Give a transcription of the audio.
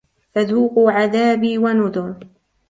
فذوقوا عذابي ونذر